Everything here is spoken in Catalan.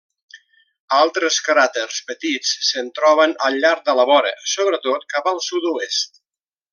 Altres cràters petits se'n troben al llarg de la vora, sobretot cap al sud-oest.